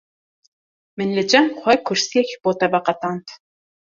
Min li cem xwe kursiyek ji bo te veqetand.